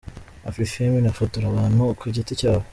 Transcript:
Afrifame inafotora abantu ku giti cyabo .